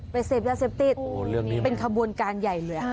ไปเซฟที่เป็นขบวนการใหญ่เลย